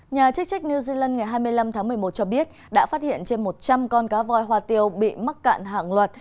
nhà chức trách new zealand ngày hai mươi năm tháng một mươi một cho biết đã phát hiện trên một trăm linh con cá voi hoa tiêu bị mắc cạn hạng luật